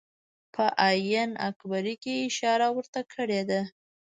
په آیین اکبري کې اشاره ورته کړې ده.